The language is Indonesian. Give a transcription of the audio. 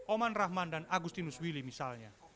oman rahman dan agustinus willy misalnya